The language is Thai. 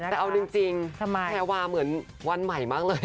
แต่เอาหนึ่งจริงแถวว่าเหมือนวันใหม่มากเลยอ่ะ